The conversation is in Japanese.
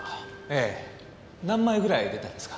ええ何枚ぐらい出たんですか？